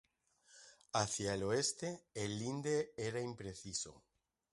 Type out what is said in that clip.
Hacia el Oeste, el linde era impreciso.